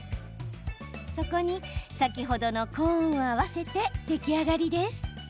そこに、先ほどのコーンを合わせて出来上がりです。